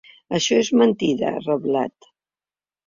Això és mentida, ha reblat.